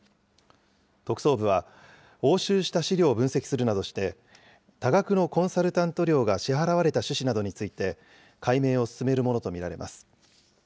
特捜部は、押収した資料を分析するなどして、多額のコンサルタント料が支払われた趣旨などについて、解明を進めるものと見られます。